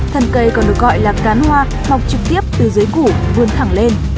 thần cây còn được gọi là cán hoa mọc trực tiếp từ dưới củ vươn thẳng lên